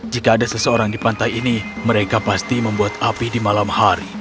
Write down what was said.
jika ada seseorang di pantai ini mereka pasti membuat api di malam hari